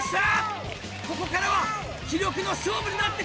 ここからは気力の勝負になってくる！